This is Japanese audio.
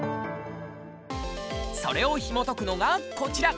それをひもとくのがこちら。